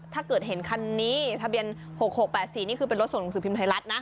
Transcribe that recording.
ถ้าเกิดเห็นคันนี้ทะเบียน๖๖๘๔นี่คือเป็นรถส่งหนังสือพิมพ์ไทยรัฐนะ